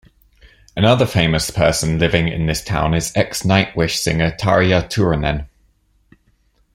Another famous person living in this town is ex-Nightwish singer Tarja Turunen.